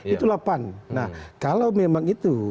itulah pan nah kalau memang itu